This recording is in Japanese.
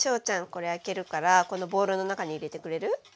これ開けるからこのボウルの中に入れてくれる？